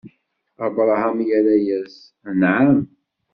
Abṛaham irra-yas: Anɛam!